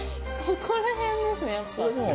ここら辺ですねやっぱ。